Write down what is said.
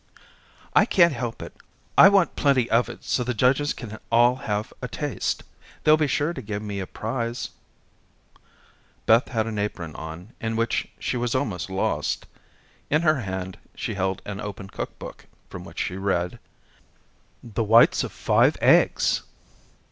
"I can't help it. I want plenty of it so the judges can all have a taste. They'll be sure to give me a prize." Beth had on an apron in which she was almost lost. In her hand, she held an open cook book from which she read: "'The whites of five eggs.'